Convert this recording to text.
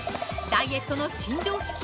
ダイエットの新常識！？